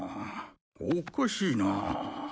おかしいな。